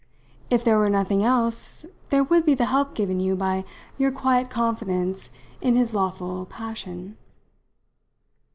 If there were nothing else there would be the help given you by your quiet confidence in his lawful passion."